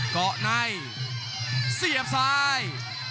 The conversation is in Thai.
เกาะในเสียบซ้าย